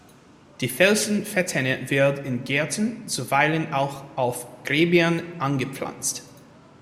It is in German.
Die Felsen-Fetthenne wird in Gärten, zuweilen auch auf Gräbern angepflanzt.